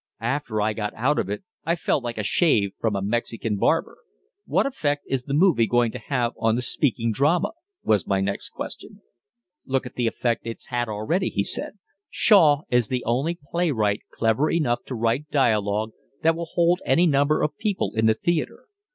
After I got out of it I felt like a shave from a Mexican barber." "What effect is the movie going to have on the speaking drama?" was my next question. "Look at the effect it's had already," he said. "Shaw is the only playwright clever enough to write dialogue that will hold any number of people in the theatre.